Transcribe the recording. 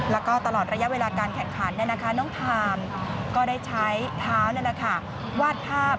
แล้วก็ตลอดระยะเวลาการแข่งขันน้องทามก็ได้ใช้เท้าวาดภาพ